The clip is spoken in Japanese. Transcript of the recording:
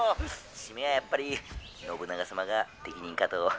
締めはやっぱり信長様が適任かと」。